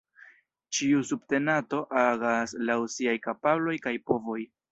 Ĉiu subtenato agas laŭ siaj kapabloj kaj povoj.